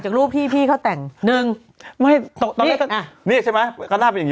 จากลูกพี่เขาแต่งหนึ่งไม่นี่ใช่มั้ยก็อาทไปอย่างงี้